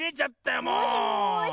もしもし。